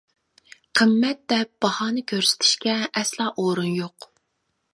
قىممەت دەپ باھانە كۆرسىتىشكە ئەسلا ئورۇن يوق.